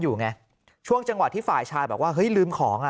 อยู่ไงช่วงจังหวะที่ฝ่ายชายบอกว่าเฮ้ยลืมของอ่ะ